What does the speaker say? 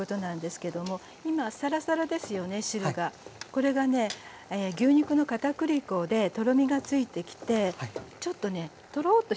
これがね牛肉の片栗粉でとろみがついてきてちょっとねトロッとしてきます。